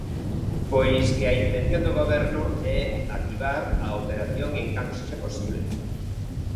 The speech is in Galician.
Pois que a intención do Goberno é activar a operación en canto sexa posible.